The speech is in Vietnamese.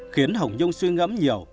khiến hồng nhung suy ngẫm nhiều